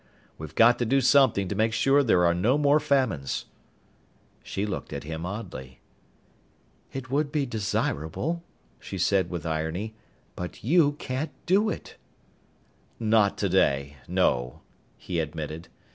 We've got to do something to make sure there are no more famines." She looked at him oddly. "It would be desirable," she said with irony. "But you can't do it." "Not today, no," he admitted.